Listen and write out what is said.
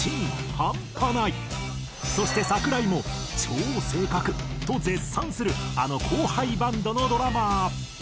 そして櫻井も「超正確！！」と絶賛するあの後輩バンドのドラマー。